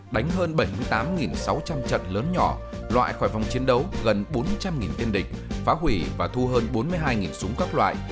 đánh hơn bảy mươi tám sáu trăm linh trận lớn nhỏ loại khỏi vòng chiến đấu gần bốn trăm linh tiên địch phá hủy và thu hơn bốn mươi hai súng các loại